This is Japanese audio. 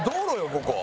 ここ。